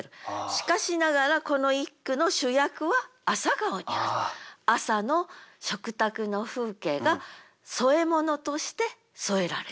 しかしながらこの一句の朝の食卓の風景が添え物として添えられている。